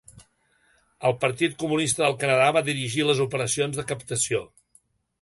El Partit Comunista del Canadà va dirigir les operacions de captació.